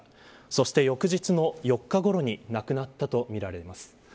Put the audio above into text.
そして、翌日の４日ごろに亡くなったとみられます。